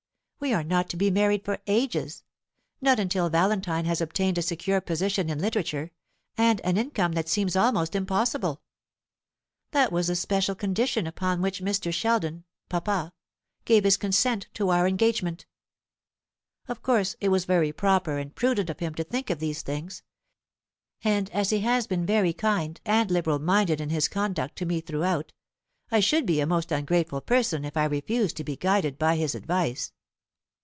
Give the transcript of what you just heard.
We are not to be married for ages not until Valentine has obtained a secure position in literature, and an income that seems almost impossible. That was the special condition upon which Mr. Sheldon papa gave his consent to our engagement. Of course it was very proper and prudent of him to think of these things; and as he has been very kind and liberal minded in his conduct to me throughout, I should be a most ungrateful person if I refused to be guided by his advice."